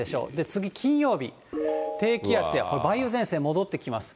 次、金曜日、低気圧や、これ梅雨前線戻ってきます。